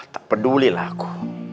tak pedulilah aku